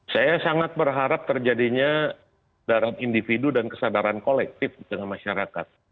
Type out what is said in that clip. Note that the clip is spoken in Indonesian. saya sangat berharap terjadinya darat individu dan kesadaran kolektif dengan masyarakat